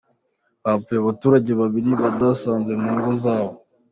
Hapfuye abaturage babiri babasanze mu ngo zabo.